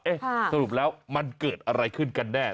สรุปแล้วมันเกิดอะไรขึ้นกันแน่